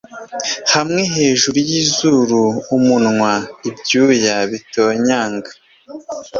hamwe hejuru yizuru umunwa, ibyuya bitonyanga